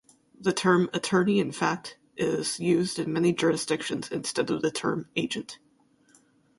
The term "attorney-in-fact" is used in many jurisdictions instead of the term "agent".